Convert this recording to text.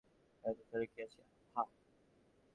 এত তাড়াহুড়োর কি আছে, হাহ?